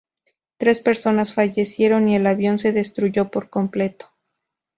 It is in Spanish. Tres personas fallecieron, y el avión se destruyó por completo.